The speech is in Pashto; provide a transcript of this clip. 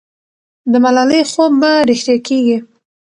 د ملالۍ خوب به رښتیا کېږي.